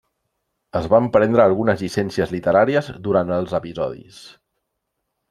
Es van prendre algunes llicències literàries durant els episodis.